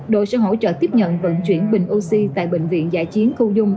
đội sẽ hỗ trợ tiếp nhận vận chuyển bình oxy tại bệnh viện giã chiến khâu dung